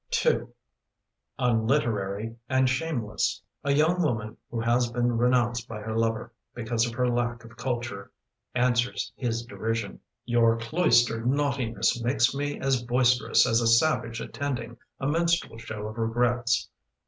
II UNLITERARY AND SHAMELESS A young woman who has been renounced by her lover, because of her lack of culture, answers his derision. Y. OUR cloistered naughtiness Makes me as boisterous As a savage attending A minstrel show of regrets.